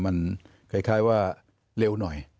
มันคล้ายว่าเร็วหน่อย